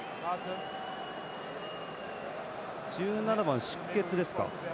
１７番、出血ですか。